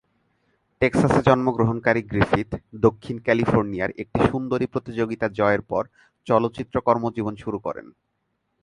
টেক্সাসে জন্মগ্রহণকারী গ্রিফিথ দক্ষিণ ক্যালিফোর্নিয়ায় একটি সুন্দরী প্রতিযোগিতা জয়ের পর চলচ্চিত্র কর্মজীবন শুরু করেন।